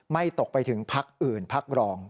ตกไปถึงพักอื่นพักรอง